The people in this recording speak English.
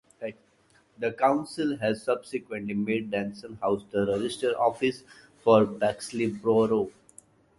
The council has subsequently made Danson House the register office for Bexley Borough.